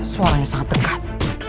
suaranya sangat dekat